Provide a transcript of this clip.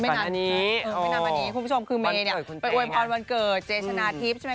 คันนี้คุณผู้ชมคือเมเป็นอวยพรวันเกิดเจชนาทิพย์ใช่ไหม